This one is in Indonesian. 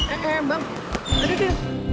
eh eh bang aduh dia